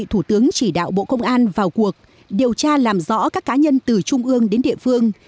thủ tướng chỉ đạo bộ công an vào cuộc điều tra làm rõ các cá nhân từ trung ương đến địa phương